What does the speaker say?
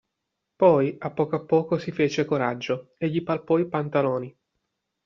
Poi a poco a poco si fece coraggio e gli palpò i pantaloni.